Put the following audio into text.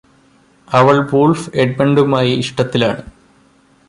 അവള് വോള്ഫ് എഡ്മണ്ടുമായി ഇഷ്ടത്തിലാണ്